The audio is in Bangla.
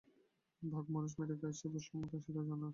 বাঘ মানুষ মেরে খায়, সে বোষ্টম নয়, সে তো জানা কথা।